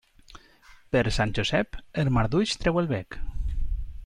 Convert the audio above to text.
Per Sant Josep, el marduix treu el bec.